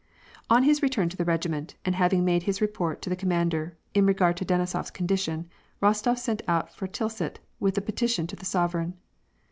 Ok his return to the regiment, and having made his report to the commander, in regard to Denisofs condition, Rostof set oat for Tilsit with the petition to the sovereign.